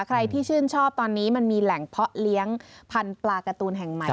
ใครที่ชื่นชอบตอนนี้มันมีแหล่งเพาะเลี้ยงพันธุ์ปลาการ์ตูนแห่งใหม่